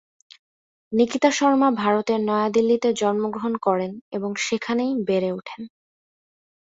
নিকিতা শর্মা ভারতের নয়াদিল্লিতে জন্মগ্রহণ করেন এবং সেখানেই বেড়ে উঠেন।